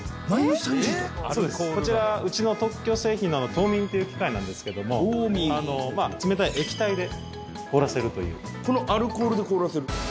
そうですこちらうちの特許製品の凍眠という機械なんですけども冷たい液体で凍らせるというこのアルコールで凍らせる？